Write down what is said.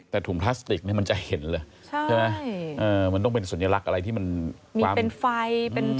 แต่ถุงพลาสติกเนี่ยมันจะเห็นเลยใช่ไหมมันต้องเป็นสัญลักษณ์อะไรที่มันมีเป็นไฟ